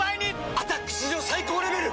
「アタック」史上最高レベル！